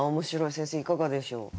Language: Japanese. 先生いかがでしょう？